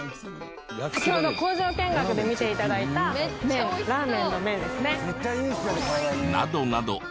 先ほど工場見学で見て頂いた麺ラーメンの麺ですね。